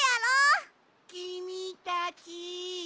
きみたち。